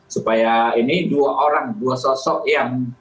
supaya ini dua orang dua sosok yang